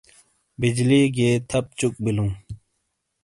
بجلی گیئے تھپ چُک بِیلوں۔